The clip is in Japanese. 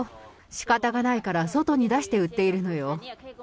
しかたがないから、外に出して売っているのよ。